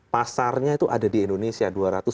pasarnya itu ada di indonesia